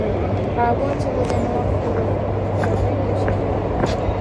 A avoa chegoulle a nova polo polbeiro de Xinzo.